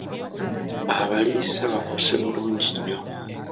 Abaliisa bakkuse bulungi nnyo.